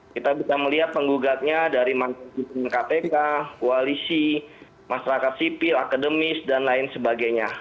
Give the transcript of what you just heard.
kita bisa melihat penggugatnya dari mantan pimpinan kpk koalisi masyarakat sipil akademis dan lain sebagainya